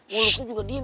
wuluk tuh juga diem